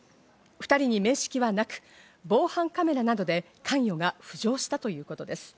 ２人に面識はなく、防犯カメラなどで関与が浮上したということです。